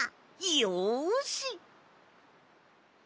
よし！